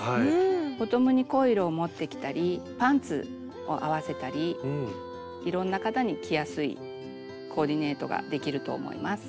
ボトムに濃い色を持ってきたりパンツを合わせたりいろんな方に着やすいコーディネートができると思います。